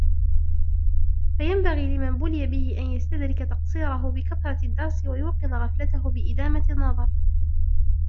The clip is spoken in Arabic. فَيَنْبَغِي لِمَنْ بُلِيَ بِهِ أَنْ يَسْتَدْرِكَ تَقْصِيرَهُ بِكَثْرَةِ الدَّرْسِ وَيُوقِظَ غَفْلَتَهُ بِإِدَامَةِ النَّظَرِ